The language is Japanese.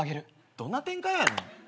どんな展開やねん。